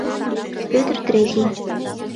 Петр Третий.